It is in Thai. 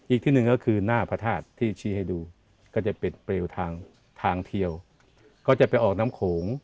อีกที่หนึ่งก็คือหน้าพระธาตุที่ชี้ให้ดูก็จะปิดเปลวทางทางเทียวก็จะไปออกน้ำโขง